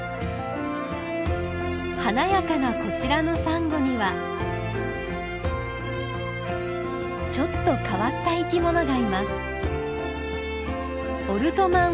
華やかなこちらのサンゴにはちょっと変わった生きものがいます。